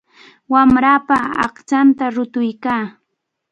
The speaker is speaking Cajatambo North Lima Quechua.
Wamrapa aqchanta rutuykan.